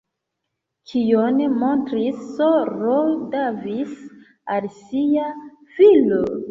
Kion montris S-ro Davis al sia filo?